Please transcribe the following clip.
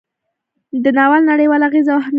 د ناول نړیوال اغیز او اهمیت: